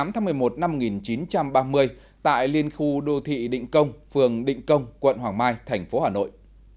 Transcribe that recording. một mươi tháng một mươi một năm một nghìn chín trăm ba mươi tại liên khu đô thị định công phường định công quận hoàng mai thành phố hà nội